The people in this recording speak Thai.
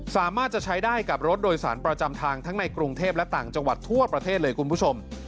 สามารถจะใช้ได้กับรถโดยสารประจำทางทั้งในกรุงเทพและต่างจังหวัดทั่วประเทศเลยคุณผู้ชม